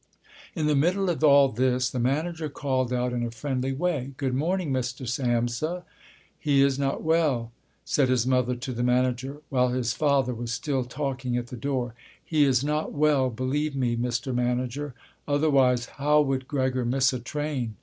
In the middle of all this, the manager called out in a friendly way, "Good morning, Mr. Samsa." "He is not well," said his mother to the manager, while his father was still talking at the door, "He is not well, believe me, Mr. Manager. Otherwise how would Gregor miss a train?